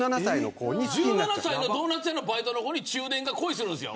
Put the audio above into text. １７歳のドーナツ屋のバイトの子に中年が恋するんですよ。